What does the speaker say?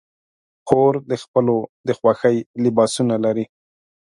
خور د خپلو د خوښې لباسونه لري.